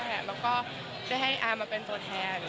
แล้วก็ได้ให้อามาเป็นตัวแทน